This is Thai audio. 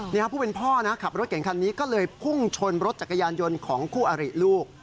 นี่ผู้เป็นพ่อนะขับรถเก่งคันนี้ก็เลยพุ่งชนรถจักรยานยนต์ของคู่อริลูก